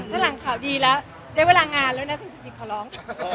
โอเคถ้าหลังข่าวดีแล้วได้เวลางานแล้วนะถึงจริงขอร้อง